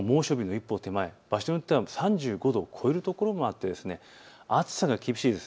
一歩手前、場所によっては３５度を超えるところもあって、暑さが厳しいです。